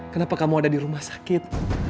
kenapa kamu ada di rumah sakit